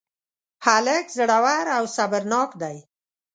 هلک زړور او صبرناک دی.